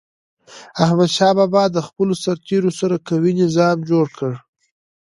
احمدشاه بابا د خپلو سرتېرو سره قوي نظام جوړ کړ.